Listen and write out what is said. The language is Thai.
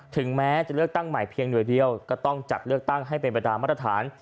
ถึงแม้จะเลือกตั้งใหม่เพียงหน่วยเดียวก็ต้องจัดเลือกตั้งให้เป็นไปตามมาตรฐาน